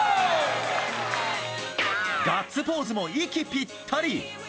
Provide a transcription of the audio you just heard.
ガッツポーズも息ぴったり。